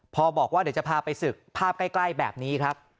พอบอกว่าเดี๋ยวจะพาไปศึกภาพใกล้แบบนี้ครับ